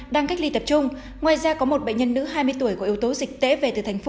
đang cách ly tập trung ngoài ra có một bệnh nhân nữ hai mươi tuổi có yếu tố dịch tễ về từ tp hcm